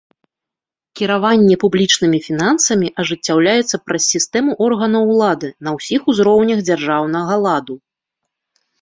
Кіраванне публічнымі фінансамі ажыццяўляецца праз сістэму органаў улады на ўсіх узроўнях дзяржаўнага ладу.